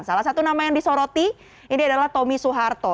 salah satu nama yang disoroti ini adalah tommy soeharto